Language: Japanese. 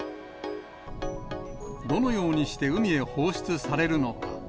どのようにして海へ放出されるのか。